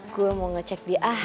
gua mau ngecek dia